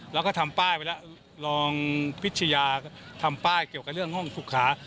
แล้วก็ทำป้ายไปแล้วรองพิชยาทำป้ายเกี่ยวกับเรื่องห้องสุขา